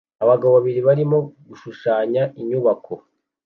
Abagabo babiri barimo gushushanya inyubako